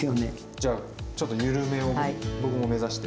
じゃちょっと緩めを僕も目指して。